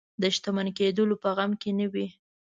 د شتمن کېدلو په غم کې نه وي.